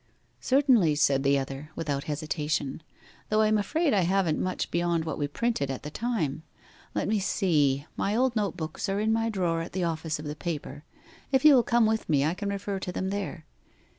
'Certainly,' said the other, without hesitation; 'though I am afraid I haven't much beyond what we printed at the time. Let me see my old note books are in my drawer at the office of the paper: if you will come with me I can refer to them there.